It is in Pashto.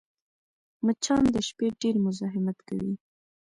مچان د شپې ډېر مزاحمت کوي